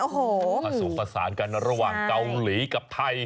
ผสมผสานกันระหว่างเกาหลีกับไทย